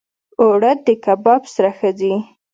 اوړه د کباب سره ښه ځي